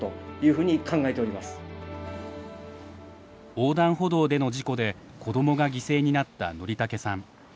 横断歩道での事故で子どもが犠牲になった則竹さん。